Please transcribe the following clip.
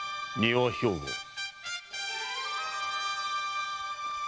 丹羽兵庫。